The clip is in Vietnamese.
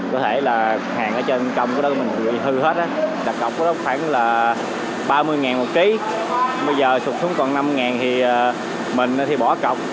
có thể là hàng ở trên cong của đó mình bị hư hết á đặt cọc của đó khoảng là ba mươi một kí bây giờ sụt xuống còn năm thì mình thì bỏ cọc